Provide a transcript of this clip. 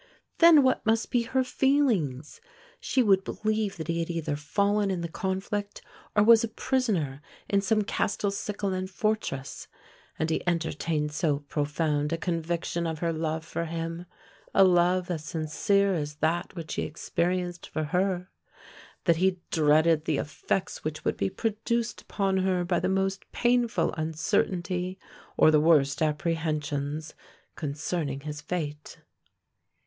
Then what must be her feelings! She would believe that he had either fallen in the conflict, or was a prisoner in some Castelcicalan fortress; and he entertained so profound a conviction of her love for him,—a love as sincere as that which he experienced for her,—that he dreaded the effects which would be produced upon her by the most painful uncertainty or the worst apprehensions concerning his fate.